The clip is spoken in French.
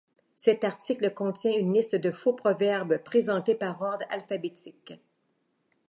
Cet article contient une liste de faux proverbes présentée par ordre alphabétique.